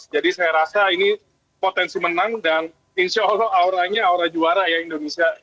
jadi saya rasa ini potensi menang dan insya allah auranya aura juara ya indonesia